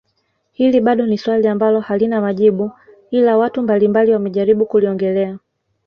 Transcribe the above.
Hili bado ni swali ambalo halina majibu ila watu mbalimbali wamejaribu kuliongelea